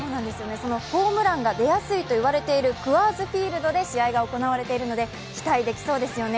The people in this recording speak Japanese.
そのホームランが出やすいと言われているクアーズ・フィールドで試合が行われているので期待できそうですよね。